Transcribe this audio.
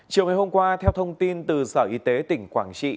chiều ngày hôm qua theo thông tin từ sở y tế tỉnh quảng trị